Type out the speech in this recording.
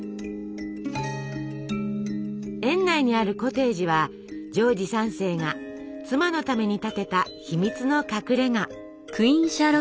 園内にあるコテージはジョージ３世が妻のために建てた秘密の隠れが。